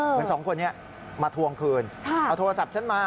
สองคนนี้มาทวงคืนเอาโทรศัพท์ฉันมา